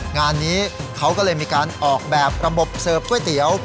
งานนี้เขาก็เลยมีการออกแบบระบบเสิร์ฟก๋วยเตี๋ยว